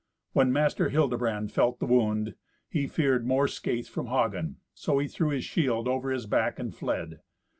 When Master Hildebrand felt the wound, he feared more scathe from Hagen, so he threw his shield over his back and fled.